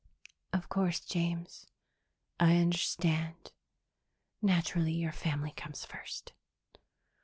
"Of course, James. I understand. Naturally your family comes first."